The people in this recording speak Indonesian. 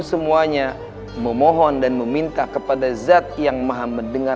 semuanya kamu semua memohon dan meminta kepada zat yang maham mendengar